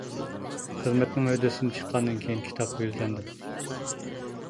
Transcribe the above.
خىزمەتنىڭ ھۆددىسىدىن چىققاندىن كېيىن كىتابقا يۈزلەندىم.